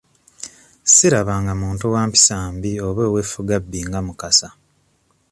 Sirabanga muntu wa mpisa mbi oba ow'effugabbi nga Mukasa.